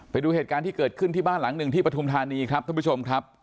ไปดูเหตุการณ์ที่เกิดขึ้นที่บ้านหลังหนึ่งที่ปฐุมธานีครับท่านผู้ชมครับ